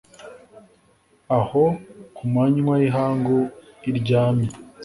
aho ku manywa y'ihangu iryamye,